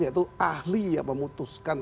yaitu ahli yang memutuskan